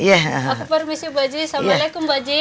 aku permisi bu aji assalamualaikum bu aji